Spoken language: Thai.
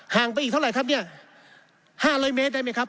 ห่างไปอีกเท่าไรครับเนี่ยห้าร้อยเมตรได้ไหมครับ